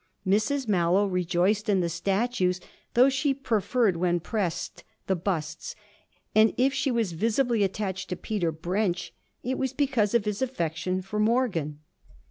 Mrs Mallow rejoiced in the statues though she preferred, when pressed, the busts; and if she was visibly attached to Peter Brench it was because of his affection for Morgan.